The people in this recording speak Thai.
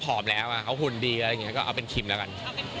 อร่อยนะครับเขาก็เอาเป็นคิมแล้วกัน